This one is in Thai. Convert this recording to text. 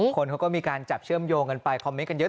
คนเขาก็มีการจับเชื่อมโยงกันไปคอมเมนต์กันเยอะ